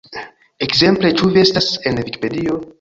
Ekzemple "Ĉu vi estas en Vikipedio?